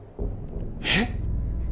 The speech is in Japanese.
えっ！？